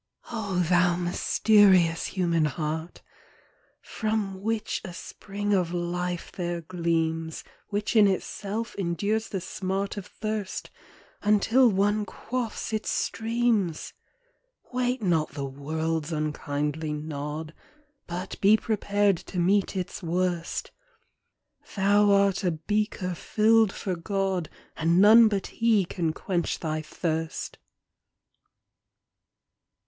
r\ THOU mysterious human heart! " From which a spring of life there gleams. Which in itself endures the smart Of thirst, until one quaffs its streams ! Wait not the world's unkindly nod, But be prepared to meet its worst: Thou art a beaker filled for God, And none but He can quench thy thirst!